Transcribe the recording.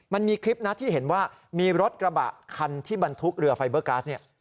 มันมีคลิปนะที่เห็นว่ามีรถกระบะคันที่บรรทุกเรือไฟเบอร์ก๊าซเนี่ย